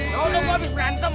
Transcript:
tau lu abis berantem